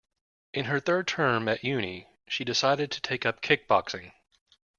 In her third term at uni she decided to take up kickboxing